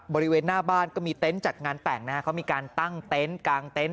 บริเวณหน้าบ้านก็มีเต็นต์จัดงานแต่งนะฮะเขามีการตั้งเต็นต์กลางเต็นต์